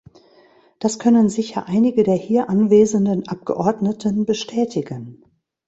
Das können sicher einige der hier anwesenden Abgeordneten bestätigen.